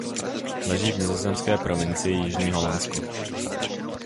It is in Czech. Leží v nizozemské provincii Jižní Holandsko.